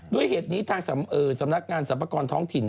ด้วยเหตุนี้ทางสำนักงานสรรพากรท้องถิ่น